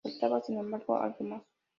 Faltaba, sin embargo, algo más.